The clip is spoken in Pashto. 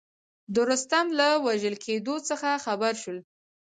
د رستم له وژل کېدلو څخه خبر شول.